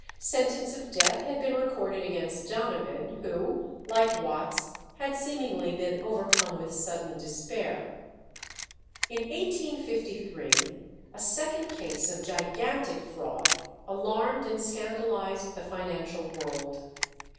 Sentence of death had been recorded against Donovan, who, like Watts, had seemingly been overcome with sudden despair. In 1853 a second case of gigantic fraud alarmed and scandalized the financial world.